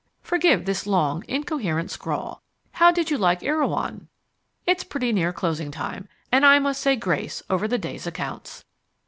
Forgive this long, incoherent scrawl. How did you like Erewhon? It's pretty near closing time and I must say grace over the day's accounts.